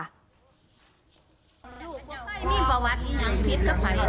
ลูกว่าเขามีประวัติอีกอย่างพิษก็ไป